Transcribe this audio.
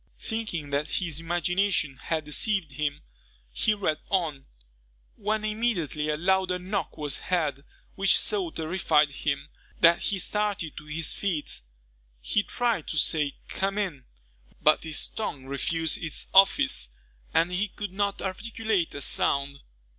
Thinking that his imagination had deceived him, he read on, when immediately a louder knock was heard, which so terrified him, that he started to his feet. He tried to say "Come in," but his tongue refused its office, and he could not articulate a sound.